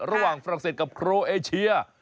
ระหว่างฝรั่งเศสกับโครเอเชีย